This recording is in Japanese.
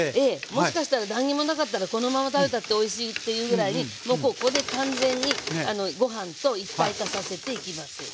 もしかしたら何にもなかったらこのまま食べたっておいしいっていうぐらいもうここで完全にご飯と一体化させていきます。